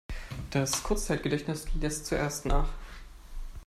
Das Kurzzeitgedächtnis lässt zuerst nach.